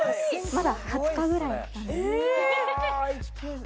まだ２０日ぐらいえーっ